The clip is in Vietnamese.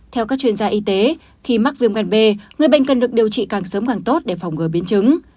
theo các chuyên gia y tế khi mắc viêm gan b người bệnh cần được điều trị càng sớm càng tốt để phòng ngừa biến chứng